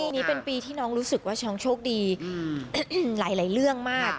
นี้เป็นปีที่น้องรู้สึกว่าน้องโชคดีหลายเรื่องมาก